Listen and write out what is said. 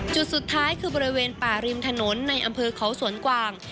จุดสุดท้ายคือบริเวณป่าริมถนนในอำเภอเขาสวนกวาง